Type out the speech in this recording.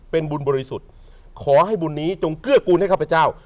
เป็นบุญบริสุทธิ์ขอให้บุญนี้จงเกื้อกูลให้ข้าพเจ้า